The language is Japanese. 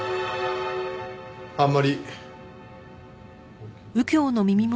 あんまり。